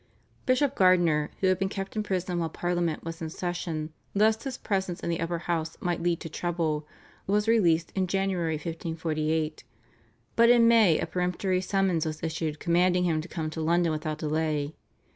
Bishop Gardiner, who had been kept in prison while Parliament was in session lest his presence in the Upper House might lead to trouble, was released in January 1548, but in May a peremptory summons was issued commanding him to come to London without delay.